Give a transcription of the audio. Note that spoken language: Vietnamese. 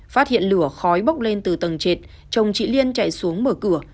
phát hiện lửa khói bốc lên từ tầng trệt chồng chị liên chạy xuống mở cửa